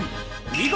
見事